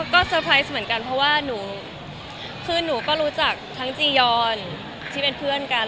เซอร์ไพรส์เซอร์ไพรส์เหมือนกันเพราะว่าหนูก็รู้จักทั้งจียอนที่เป็นเพื่อนกัน